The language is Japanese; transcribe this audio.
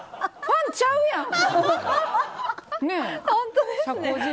ファンちゃうやん。